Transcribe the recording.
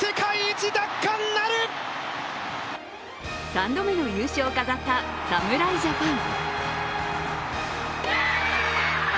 ３度目の優勝を飾った侍ジャパン。